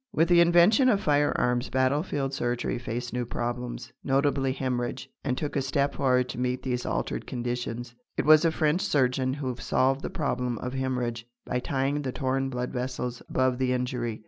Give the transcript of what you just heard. With the invention of firearms battlefield surgery faced new problems, notably hemorrhage, and took a step forward to meet these altered conditions. It was a French surgeon who solved the problem of hemorrhage by tying the torn blood vessels above the injury.